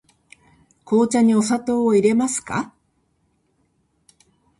紅茶にお砂糖をいれますか。